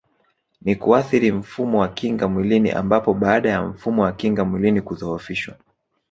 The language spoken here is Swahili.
Ni kuathiri mfumo wa kinga mwilini ambapo baada ya mfumo wa kinga mwilini kudhohofishwa